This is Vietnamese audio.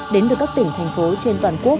đến từ các tỉnh thành phố trên toàn quốc